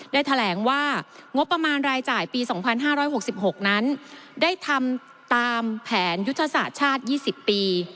ได้แถลงว่างบประมาณรายจ่ายปี๒๕๖๖นั้นได้ทำตามแผนยุทธศาสตร์ชาติ๒๐ปี